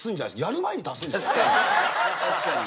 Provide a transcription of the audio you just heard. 確かに。